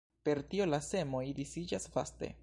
Per tio la semoj disiĝas vaste.